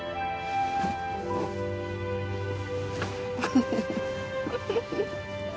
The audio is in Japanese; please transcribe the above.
フフフフ。